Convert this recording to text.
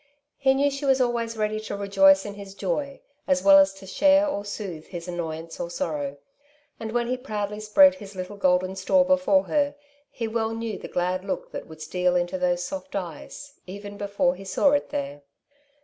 He knew she was always ready to rejoice in his joy, as well as to share or soothe his annoyance or sorrow; and when he proudly spread his little golden store before her, he well knew the glad look that would steal into those soft eyes, eVen before he saw it there.